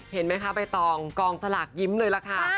เห็นไหมคะใบตองกองสลากยิ้มเลยล่ะค่ะ